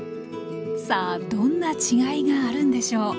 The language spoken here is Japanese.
さあどんな違いがあるんでしょう。